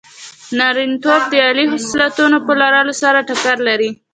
نارینتوب د عالي خصلتونو په لرلو سره ټکر لري.